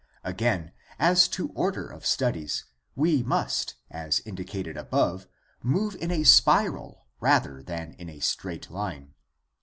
Again as to order of studies, we must, as indicated above, move in a spiral rather than in a straight line.